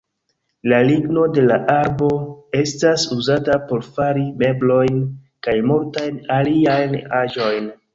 La ligno de la arbo estas uzata por fari meblojn, kaj multajn aliajn aĵojn.